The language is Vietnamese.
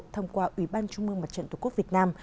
thông qua ủy ban trung mương mặt trận tổ quốc việt nam